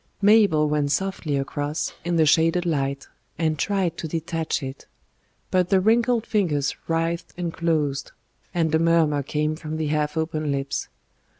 Mabel went softly across in the shaded light, and tried to detach it; but the wrinkled fingers writhed and closed, and a murmur came from the half open lips.